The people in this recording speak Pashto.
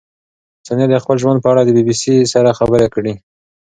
ثانیه د خپل ژوند په اړه د بي بي سي سره خبرې کړې.